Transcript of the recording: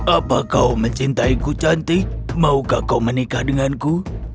apa kau mencintaiku cantik maukah kau menikah denganku